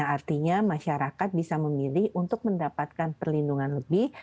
artinya masyarakat bisa memilih untuk mendapatkan perlindungan lebih